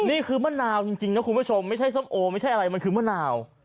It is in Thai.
นี่คือมะนาวจริงนะคุณผู้ชมไม่ใช่ส้มโอไม่ใช่อะไรมันคือมะนาว